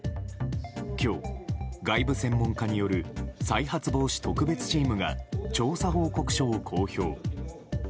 今日、外部専門家による再発防止特別チームが調査報告書を公表。